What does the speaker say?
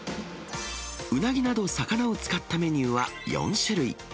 うなぎなど魚を使ったメニューは４種類。